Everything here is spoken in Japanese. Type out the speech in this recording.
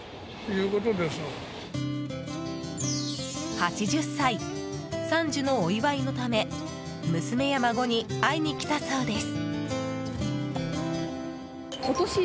８０歳、傘寿のお祝いのため娘や孫に会いに来たそうです。